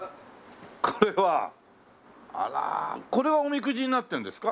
これはおみくじになってるんですか？